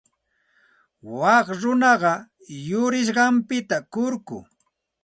Wak runaqa yurisqanpita kurku.